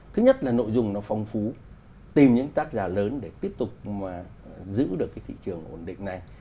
thứ nhất là nội dung nó phong phú tìm những tác giả lớn để tiếp tục mà giữ được cái thị trường ổn định này